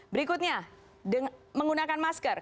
berikutnya menggunakan masker